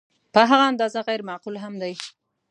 په هغه اندازه غیر معقول هم دی.